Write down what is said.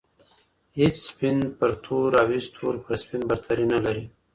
هیڅ سپین پر تور او هیڅ تور پر سپین برتري نه لري.